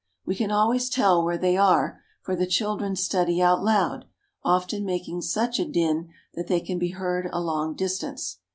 We can always tell where they are, for the children study out loud, often making such a din that they can be heard a long distance.